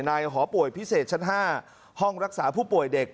หอป่วยพิเศษชั้น๕ห้องรักษาผู้ป่วยเด็ก